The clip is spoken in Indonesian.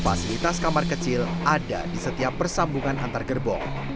fasilitas kamar kecil ada di setiap persambungan antar gerbong